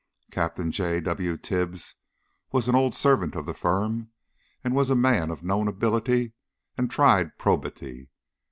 Captain J. W. Tibbs was an old servant of the firm, and was a man of known ability and tried probity.